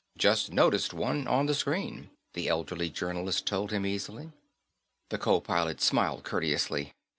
"Just noticed one on the screen," the elderly journalist told him easily. The co pilot smiled courteously.